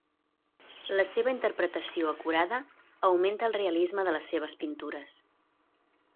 La seva interpretació acurada augmenta el realisme de les seves pintures.